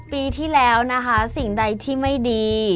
ปีที่แล้วนะคะสิ่งใดที่ไม่ดี